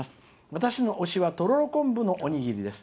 私の推しはとろろ昆布のおにぎりです。